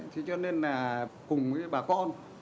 thế cho nên là cùng với bà con